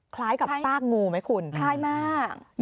คล้ายกับป้ากงูไหมคุณคล้ายมากคล้ายมาก